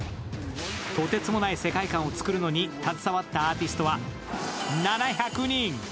とてつもない世界観を作るのに携わったアーティストは７００人。